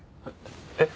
えっ？